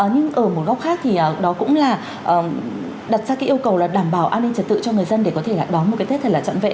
nhưng ở một góc khác thì đó cũng là đặt ra cái yêu cầu là đảm bảo an ninh trật tự cho người dân để có thể là đón một cái tết thật là trọn vẹn